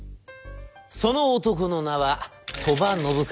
その男の名は鳥羽伸和。